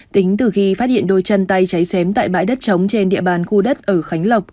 tính từ khi phát hiện đôi chân tay cháy xém tại bãi đất trống trên địa bàn khu đất ở khánh lộc